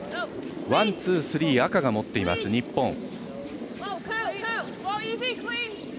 ワン、ツー、スリー赤が持っています、日本。